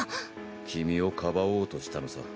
君をかばおうとしたのさ。